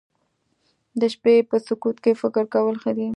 د شپې په سکوت کې فکر کول ښه دي